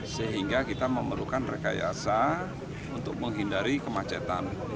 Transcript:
sehingga kita memerlukan rekayasa untuk menghindari kemacetan